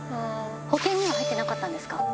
保険は入ってなかったんですか？